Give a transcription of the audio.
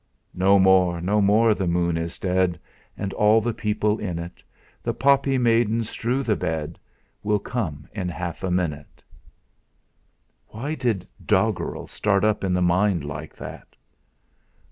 "No more, no more, the moon is dead, And all the people in it; The poppy maidens strew the bed, We'll come in half a minute." Why did doggerel start up in the mind like that?